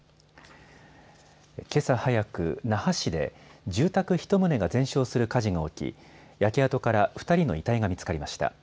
けさ早く、那覇市で、住宅１棟が全焼する火事が起き、焼け跡から２人の遺体が見つかりました。